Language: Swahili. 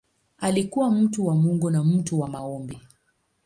Alikuwa mtu wa Mungu na mtu wa maombi.